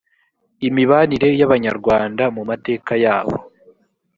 imibanire y abanyarwanda mu mateka yabo